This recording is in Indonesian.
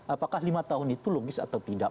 apakah lima tahun itu logis atau tidak